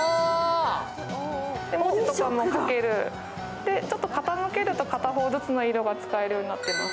文字とかも書けるし、傾けると片方ずつの色が使えるようになってます。